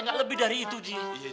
gak lebih dari itu ji